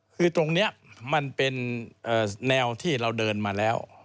คือตรงนี้มันเป็นแนวที่เราเดินมาแล้ว